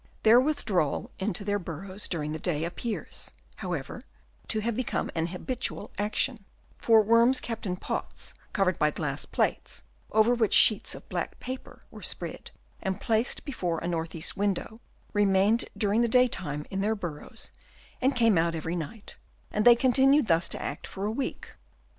Their withdrawal into their burrows during the day appears, however, to have become an habitual action ; for worms kept in pots covered by glass plates, over which sheets of black paper were spread, and placed before a north east win dow, remained during the day time in their burrows and came out every night ; and they continued thus to act for a week.